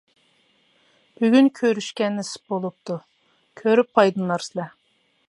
بۈگۈن كۆرۈشكە نېسىپ بولۇپتۇ، كۆرۈپ پايدىلىنارسىلەر.